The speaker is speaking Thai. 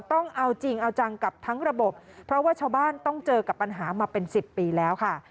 ต้องเอาจริงเอาจังกับทั้งระบบเพราะว่าชาวบ้านต้องเจอกับปัญหามาเป็น๑๐ปีแล้วค่ะ